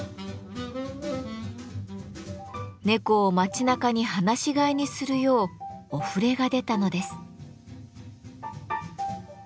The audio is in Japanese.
猫を町なかに放し飼いにするようおふれが出たのです。